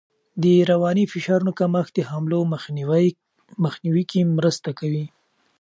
د رواني فشارونو کمښت د حملو مخنیوی کې مرسته کوي.